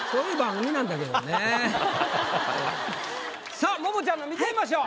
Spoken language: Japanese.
さあ桃ちゃんの見てみましょう。